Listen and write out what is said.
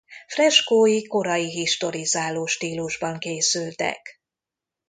Freskói korai historizáló stílusban készültek.